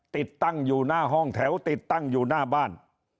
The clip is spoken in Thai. ติดตั้งอยู่หน้าห้องแถวติดตั้งอยู่หน้าบ้าน